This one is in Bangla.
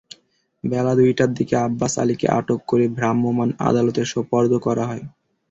বেলা দুইটার দিকে আব্বাস আলীকে আটক করে ভ্রাম্যমাণ আদালতে সোপর্দ করা হয়।